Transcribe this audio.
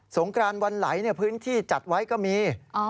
งกรานวันไหลพื้นที่จัดไว้ก็มี